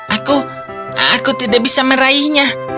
aku aku tidak bisa meraihnya